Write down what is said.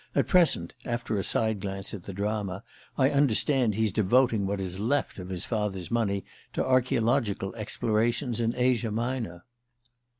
At present, after a side glance at the drama, I understand he's devoting what is left of his father's money to archaeological explorations in Asia Minor.